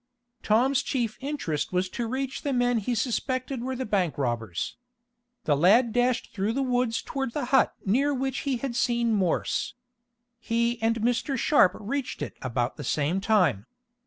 Tom's chief interest was to reach the men he suspected were the bank robbers. The lad dashed through the woods toward the hut near which he had seen Morse. He and Mr. Sharp reached it about the same time.